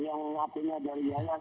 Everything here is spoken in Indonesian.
yang apanya dari yayasan